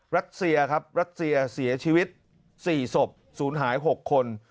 รัสเซียครับรัสเซียเสียชีวิต๔ศพศูนย์หาย๖คน